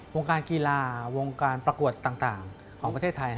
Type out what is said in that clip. วงการกีฬาวงการประกวดต่างของประเทศไทย